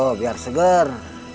oh biar segar